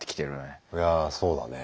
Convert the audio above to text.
いやそうだね。